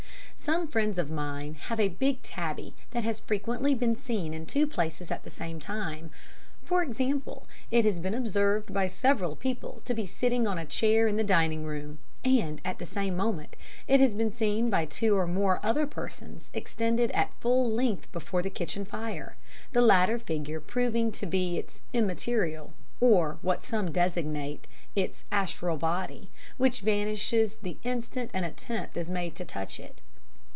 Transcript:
Some friends of mine have a big tabby that has frequently been seen in two places at the same time; for example, it has been observed by several people to be sitting on a chair in the dining room, and, at the same moment, it has been seen by two or more other persons extended at full length before the kitchen fire the latter figure proving to be its immaterial, or what some designate its astral body, which vanishes the instant an attempt is made to touch it.